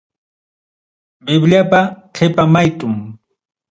Bibliapa qipa maytum.